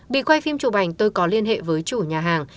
bị quay phim chụp ảnh tôi có liên hệ với chủ nhà hàng